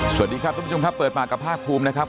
สวัสดีครับทุกผู้ชมครับเปิดปากกับภาคภูมินะครับ